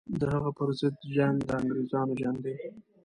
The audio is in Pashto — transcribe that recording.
د هغه پر ضد جنګ د انګرېزانو جنګ دی.